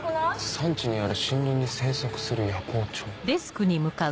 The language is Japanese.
「山地にある森林に生息する夜行鳥」。